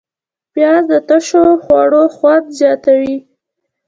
پیاز د تشو خوړو خوند زیاتوي